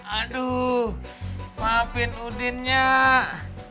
aduh maafin udin nyak